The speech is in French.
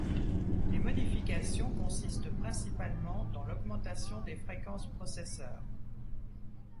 Les modifications consistent principalement dans l'augmentation des fréquences processeurs.